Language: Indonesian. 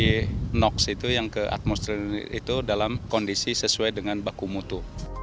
di nox itu yang ke atmosfer itu dalam kondisi sesuai dengan baku mutu